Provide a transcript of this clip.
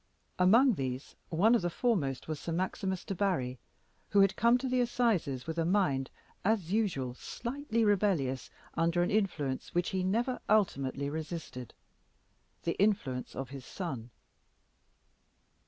Among these one of the foremost was Sir Maximus Debarry, who had come to the assizes with a mind, as usual, slightly rebellious under an influence which he never ultimately resisted the influence of his son.